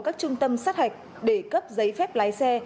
các trung tâm sát hạch để cấp giấy phép lái xe